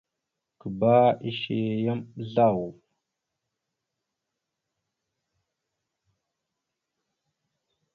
Gǝba ishe yam ɓəzlav.